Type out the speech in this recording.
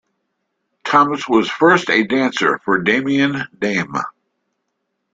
Thomas was first a dancer for Damian Dame.